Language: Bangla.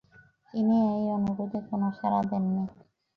তিনি এই অনুরোধে কোন সারা দেননি।